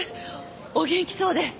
お元気そうで。